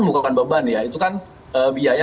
bukan beban ya itu kan biaya